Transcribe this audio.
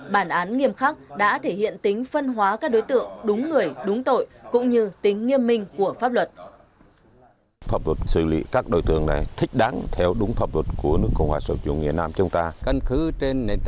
bản án nghiêm khắc đã thể hiện tính phân hóa các đối tượng đúng người đúng tội cũng như tính nghiêm minh của pháp luật